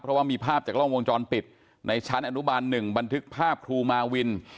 เพราะว่ามีภาพจากกล้องวงจรปิดในชั้นอนุบาล๑บันทึกภาพครูมาวิน